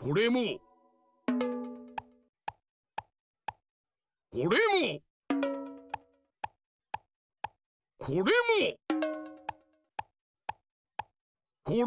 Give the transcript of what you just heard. これもこれもこれもこれも！